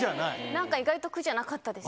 なんか意外と苦じゃなかったです。